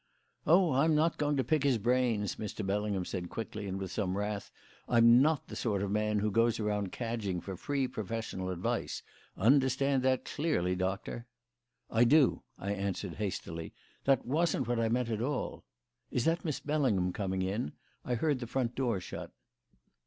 "Oh, I'm not going to pick his brains," Mr. Bellingham said quickly and with some wrath. "I'm not the sort of man who goes round cadging for free professional advice. Understand that clearly, Doctor." "I do," I answered hastily. "That wasn't what I meant at all. Is that Miss Bellingham coming in? I heard the front door shut."